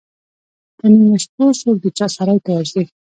پر نیمو شپو څوک د چا سرای ته ورځي.